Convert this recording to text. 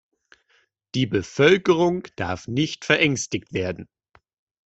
Die Bevölkerung darf nicht verängstigt werden.